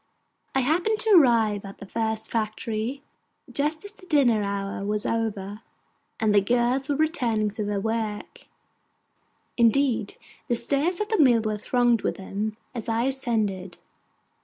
I happened to arrive at the first factory just as the dinner hour was over, and the girls were returning to their work; indeed the stairs of the mill were thronged with them as I ascended.